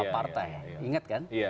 partai ingat kan